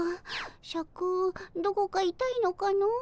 シャクどこかいたいのかの？